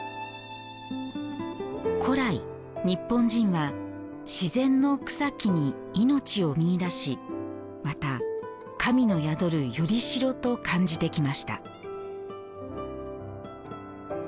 古来、日本人は自然の草木に命を見いだしまた神の宿る依代と感じてきました。